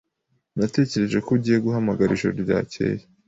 Natekereje ko ugiye guhamagara ijoro ryakeye.